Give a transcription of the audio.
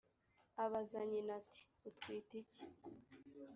abaza nyina ati “utwite iki?”